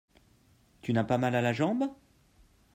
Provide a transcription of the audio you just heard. Tu n'as pas mal à la jambe ?